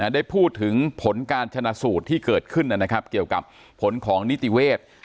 ได้พูดถึงผลการชนะสูตรที่เกิดขึ้นนะครับเกี่ยวกับผลของนิติเวทย์